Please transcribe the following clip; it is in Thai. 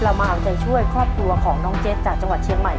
เรามาเอาใจช่วยครอบครัวของน้องเจ็ดจากจังหวัดเชียงใหม่